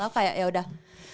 aku kayak yaudah